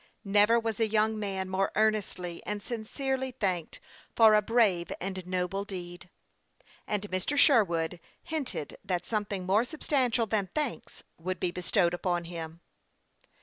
Never was a young man more earnestly and sin cerely thanked for a brave and noble deed ; and Mr. Sherwood hinted that something more substan tial than thanks would be bestowed upon him.